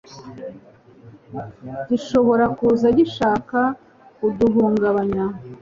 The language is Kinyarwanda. gishobora kuza gishaka kuduhungabanya.”